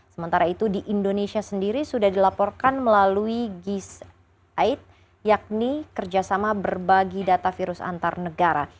sementara itu di indonesia sendiri sudah dilaporkan melalui gisaid yakni kerjasama berbagi data virus antar negara